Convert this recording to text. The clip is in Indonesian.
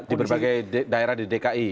di berbagai daerah di dki